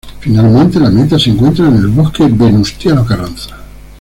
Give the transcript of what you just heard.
Finalmente la meta se encuentra en el Bosque Venustiano Carranza.